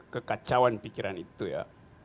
kekacauan pikiran itu ya